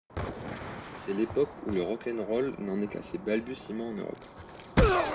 C'est l'époque où le rock 'n' roll n'en est qu'à ses balbutiements en Europe.